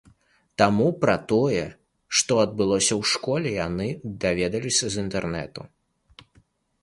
Таму пра тое, што адбылося ў школе, яны даведаліся з інтэрнэта.